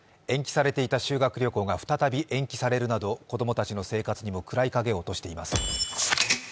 延期されていた修学旅行が再び延期されるなど子供たちの生活にも暗い影を落としています。